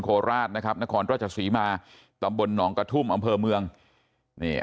โคราชนะครับนครราชศรีมาตำบลหนองกระทุ่มอำเภอเมืองนี่